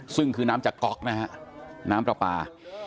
ซึ่งคือน้ำจากก๊อกนะฮะน้ำปลาปลา